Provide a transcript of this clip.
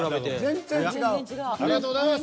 ありがとうございます。